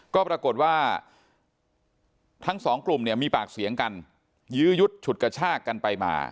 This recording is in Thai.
ก็ปรากฏว่าทั้งสองกลุ่มเนี่ยมีปากเสียงกันยื้อยุดฉุดกระชากกันไปมา